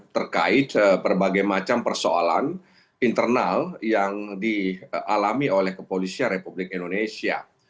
terkait berbagai macam persoalan internal yang dialami oleh kepolisian republik indonesia